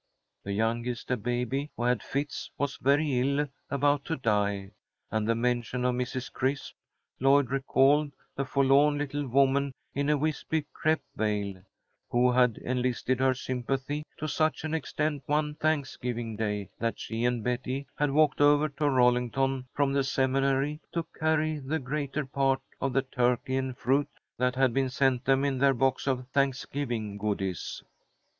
The youngest, a baby who had fits, was very ill, about to die. At the mention of Mrs. Crisp, Lloyd recalled the forlorn little woman in a wispy crêpe veil, who had enlisted her sympathy to such an extent one Thanksgiving Day that she and Betty had walked over to Rollington from the Seminary to carry the greater part of the turkey and fruit that had been sent them in their box of Thanksgiving goodies.